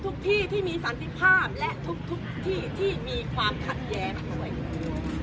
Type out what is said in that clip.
ทุกที่ที่มีสันติภาพและทุกที่ที่มีความขัดแยง